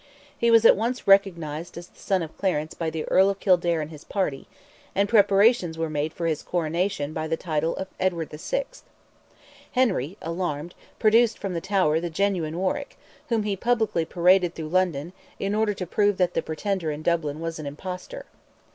He was at once recognized as the son of Clarence by the Earl of Kildare and his party, and preparations were made for his coronation by the title of Edward VI. Henry, alarmed, produced from the Tower the genuine Warwick, whom he publicly paraded through London, in order to prove that the pretender in Dublin was an impostor.